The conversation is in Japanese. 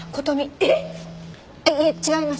いえ違います。